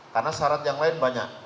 karena syarat yang lain banyak